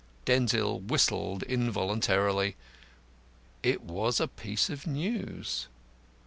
'" Denzil whistled involuntarily. It was a piece of news.